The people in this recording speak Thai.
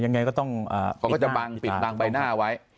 ยังไงก็ต้องเขาก็จะบังปิดบังใบหน้าไว้